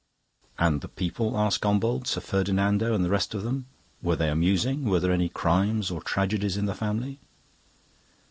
"And the people?" asked Gombauld. "Sir Ferdinando and the rest of them were they amusing? Were there any crimes or tragedies in the family?"